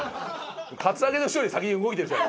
カツアゲの人より先に動いてるじゃん。